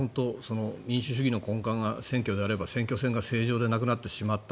民主主義の根幹が選挙であれば選挙戦が正常でなくなってしまった。